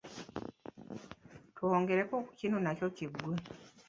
Twogereko ku kino nakyo kiggwe.